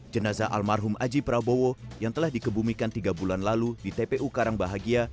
jenazah almarhum aji prabowo yang telah dikebumikan tiga bulan lalu di tpu karangbahagia